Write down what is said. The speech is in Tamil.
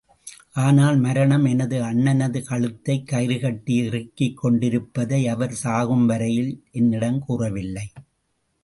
ஆனால், மரணம் எனது அண்ணனது கழுத்தைக் கயிறு கட்டி இறுக்கிக் கொண்டிருப்பதை அவர் சாகும்வரையிலும் என்னிடம் கூறவில்லை.